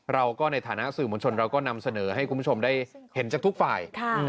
เราก็ในฐานะสื่อมวลชนเราก็นำเสนอให้คุณผู้ชมได้เห็นจากทุกฝ่าย